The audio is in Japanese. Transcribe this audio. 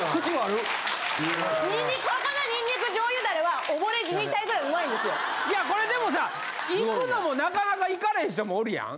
・ニンニクはこのニンニク醤油ダレは溺れ死にたいぐらいうまいんですよ！いやこれでもさ行くのもなかなか行かれへん人もおるやん。